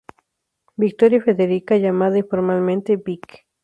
Victoria Federica, llamada informalmente "Vic".